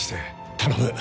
頼む。